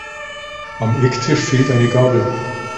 Am Ecktisch fehlt eine Gabel.